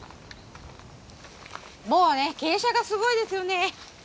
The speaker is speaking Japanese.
もうね傾斜がすごいですよね。